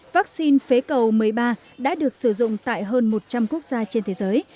vaccine phế cầu một mươi ba đã được sử dụng tại hơn một trăm linh quốc gia trên thế giới